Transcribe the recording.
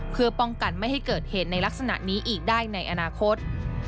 เพื่อป้องกันไม่ให้เกิดเหตุในลักษณะนี้อีกได้ในอนาคต